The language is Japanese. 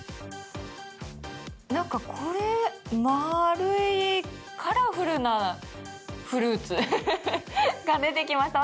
なんかこれ丸いカラフルなフルーツが出てきました。